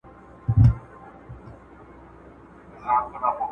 مناسب کار د انسان وقار ساتي.